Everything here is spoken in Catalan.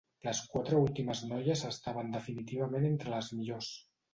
Les quatre últimes noies estaven definitivament entre les millors.